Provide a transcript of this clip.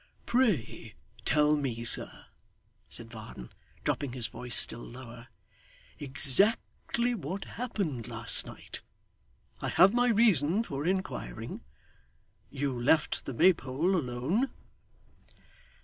'Pray, tell me, sir,' said Varden, dropping his voice still lower, 'exactly what happened last night. I have my reason for inquiring. You left the Maypole, alone?